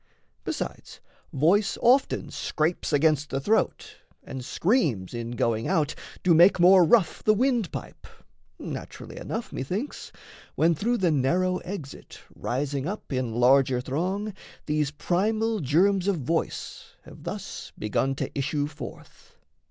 Besides voice often scrapes against the throat, And screams in going out do make more rough The wind pipe naturally enough, methinks, When, through the narrow exit rising up In larger throng, these primal germs of voice Have thus begun to issue forth.